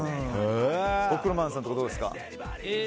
ホクロマンさんとかどうですか？